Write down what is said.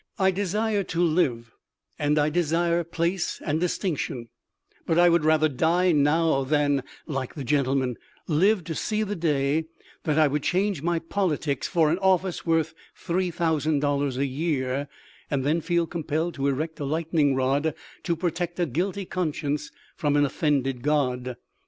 I desire to live, and I desire place and distinction ; but I would rather die now than, like the gentleman, live to see the day that I would change my politics for an office worth three thou sand dollars a year, and then feel compelled to erect a lightning rod to protect a guilty conscience from an offended God.'